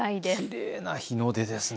きれいな日の出ですね。